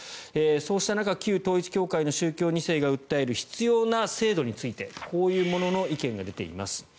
そうした中旧統一教会の宗教２世が訴える必要な制度についてこういうものの意見が出ています。